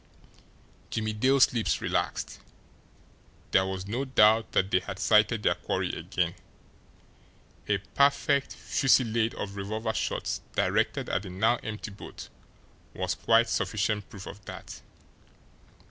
Jimmie Dale's lips relaxed. There was no doubt that they had sighted their quarry again a perfect fusillade of revolver shots directed at the now empty boat was quite sufficient proof of that!